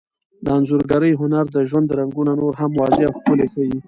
د انځورګرۍ هنر د ژوند رنګونه نور هم واضح او ښکلي ښيي.